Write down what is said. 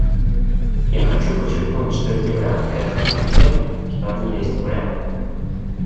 Я хочу подчеркнуть, что эти варианты и остаются тем, что они есть, − вариантами.